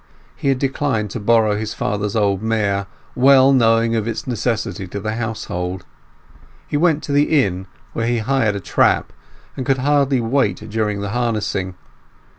He had declined to borrow his father's old mare, well knowing of its necessity to the household. He went to the inn, where he hired a trap, and could hardly wait during the harnessing.